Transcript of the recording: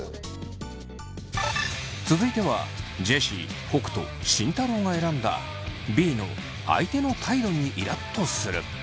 続いてはジェシー北斗慎太郎が選んだＢの「相手の態度にイラっとする」。